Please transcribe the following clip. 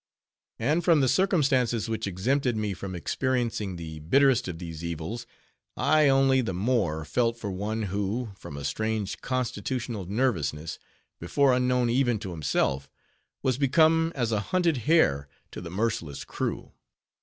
And from the circumstances which exempted me from experiencing the bitterest of these evils, I only the more felt for one who, from a strange constitutional nervousness, before unknown even to himself, was become as a hunted hare to the merciless crew.